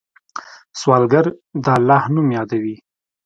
سوالګر د الله نوم یادوي